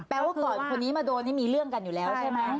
ว่าก่อนคนนี้มาโดนนี่มีเรื่องกันอยู่แล้วใช่ไหม